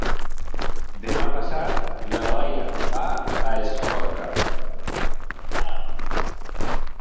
Demà passat na Laia va a Escorca.